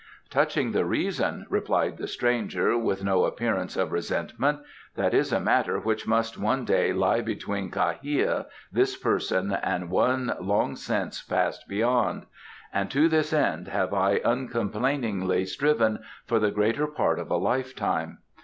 "Touching the reason," replied the stranger, with no appearance of resentment, "that is a matter which must one day lie between Kha hia, this person, and one long since Passed Beyond, and to this end have I uncomplainingly striven for the greater part of a lifetime.